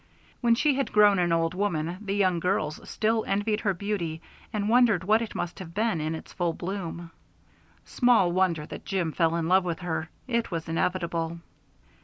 When she had grown an old woman the young girls still envied her beauty, and wondered what it must have been in its first bloom. Small wonder that Jim fell in love with her; it was inevitable.